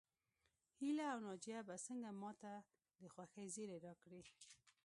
هيله او ناجيه به څنګه ماته د خوښۍ زيری راکړي